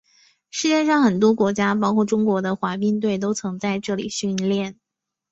世界上很多国家包括中国的滑冰队都曾在这里训练。